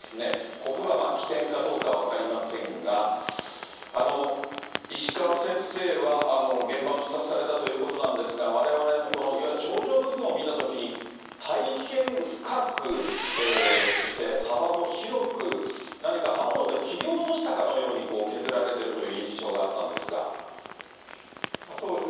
ここが起点かどうかは分かりませんが、石川先生は、現場を視察されたということなんですが、われわれもこの、いわゆる頂上部分を見たときに、大変深く、そして幅も広く、何か刃物で切り落としたかのように削られてるという印象があったそうですね。